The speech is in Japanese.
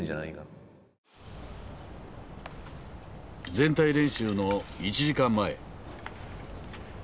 全体練習の１時間前。